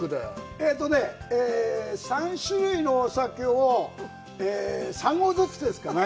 えっとね、３種類のお酒を３合ずつですかね。